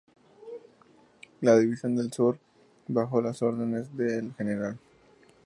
División del Sur, bajo las órdenes del Gral.